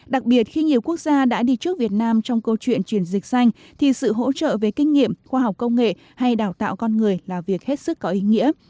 đặc biệt khi nhiều quốc gia đã đi trước việt nam trong câu chuyện chuyển dịch xanh thì sự hỗ trợ về kinh nghiệm khoa học công nghệ hay đào tạo con người là việc hết sức có ý nghĩa